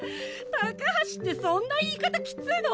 高橋ってそんな言い方きついの？